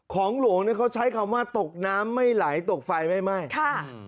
ของหลวงเนี้ยเขาใช้คำว่าตกน้ำไม่ไหลตกไฟไม่ไหม้ค่ะ